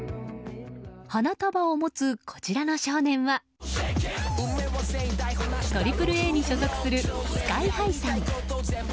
花束を持つ、こちらの少年はＡＡＡに所属するＳＫＹ‐ＨＩさん。